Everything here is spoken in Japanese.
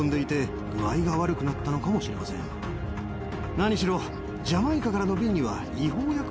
何しろ。